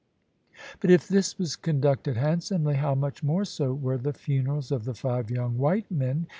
But if this was conducted handsomely, how much more so were the funerals of the five young white men!